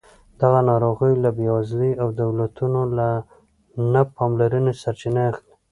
دغه ناروغۍ له بېوزلۍ او دولتونو له نه پاملرنې سرچینه اخلي.